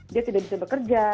dia tidak bisa bekerja